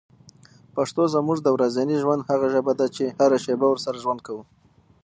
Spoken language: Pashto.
پښتو زموږ د ورځني ژوند هغه ژبه ده چي هره شېبه ورسره ژوند کوو.